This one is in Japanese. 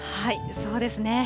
そうですね。